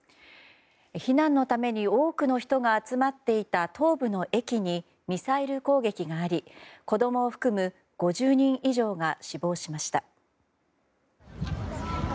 避難のために多くの人が集まっていた東部の駅にミサイル攻撃があり子供を含む５０人以上が死亡しました。